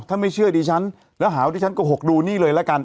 ถ้าไม่เชื่อดิฉันแล้วหาว่าดิฉันโกหกดูนี่เลยละกัน